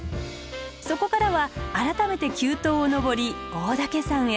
そこからは改めて急登を登り大岳山へ。